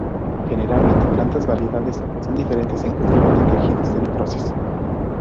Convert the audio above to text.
Generalmente, plantas variedades son diferentes en cultivo de tejidos de necrosis.